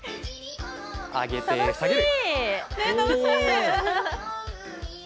上げて、下げる。